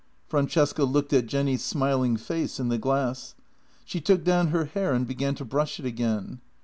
Francesca looked at Jenny's smiling face in the glass. She took down her hair and began to brush it again.